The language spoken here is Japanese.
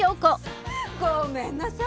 ごめんなさい。